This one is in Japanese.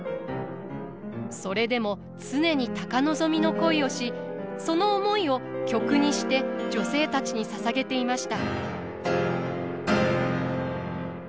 それでも常に高望みの恋をしその思いを曲にして女性たちにささげていました。